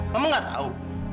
mama gak tau